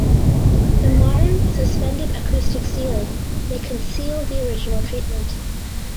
The modern suspended acoustic ceiling may conceal the original treatment.